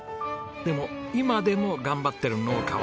でも今でも頑張ってる農家はあるんです。